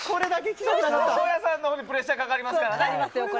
大矢さんのほうにプレッシャーかかりますからね。